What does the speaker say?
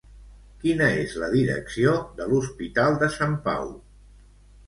Quina és la direcció de l'Hospital de Sant Pau?